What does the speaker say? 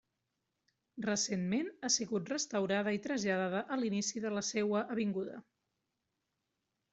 Recentment ha sigut restaurada i traslladada a l'inici de la seua avinguda.